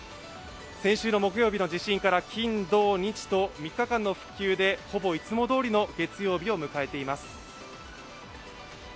先週の木曜日の地震から金土日と３日間でほぼいつもどおりの月曜日を迎えています。